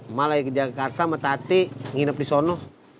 emak lagi ke jakarta sama tati nginep di sono